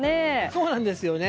そうなんですよね。